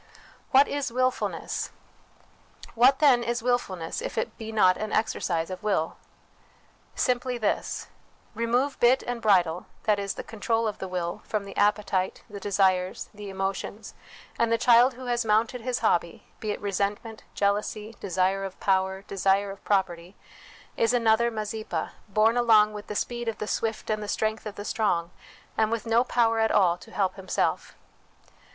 What is Wilfulness ? What, then, is wilfulness, if it be not an exercise of will ? Simply this : remove bit and bridle that is, the control of the will from the appetites, the desires, the emotions, and the child who has mounted his hobby, be it resentment, jealousy, desire of power, desire of property, is another Mazeppa, borne along with the speed of the swift and the strength of the strong, and with no power at all to help himself.